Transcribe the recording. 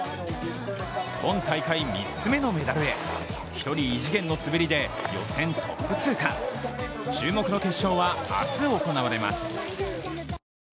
今大会３つ目のメダルへ１人異次元の滑りで予選トップ通過注目の決勝は明日行われます。